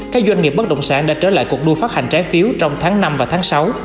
các doanh nghiệp bất động sản đã trở lại cuộc đua phát hành trái phiếu trong tháng năm và tháng sáu